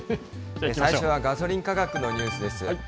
最初はガソリン価格のニュースです。